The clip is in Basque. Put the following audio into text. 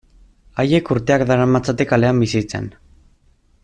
Haiek urteak daramatzate kalean bizitzen.